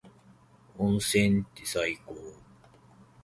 温泉って最高。